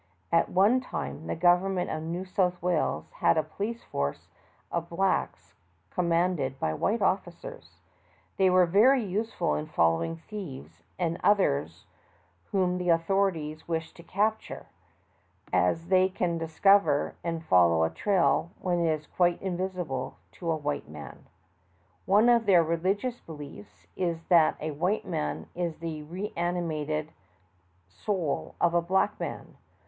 At one time the government of New South Wales had a police force of blacks com manded by white officers. They were very useful in following thieves and others whom the authori ties wished to capture, as they can discover and follow a trail when it is quite invisible to a white man. One of their religious beliefs is that a white man is the reanimated soul of a black man.